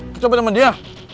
kecopet sama dia